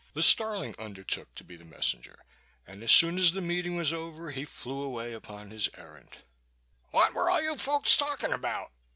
The starling undertook to be the messenger, and as soon as the meeting was over he flew away upon his errand. "What were all you folks talking about?"